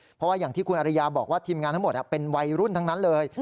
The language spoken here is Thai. เพราะว่าอย่างที่คุณอริยาบอกว่าทีมงานทั้งหมดเป็นวัยรุ่นทั้งนั้นเลย